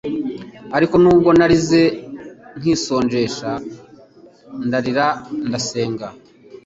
Ariko nubwo narize nkisonzesha, ndarira ndasenga,